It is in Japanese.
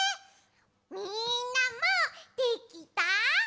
みんなもできた？